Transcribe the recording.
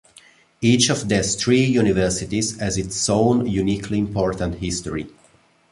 Each of these three universities has its own uniquely important history.